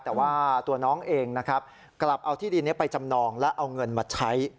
แต่ว่าตัวน้องเองนะครับกลับเอาที่ดินนี้ไปจำนองและเอาเงินมาใช้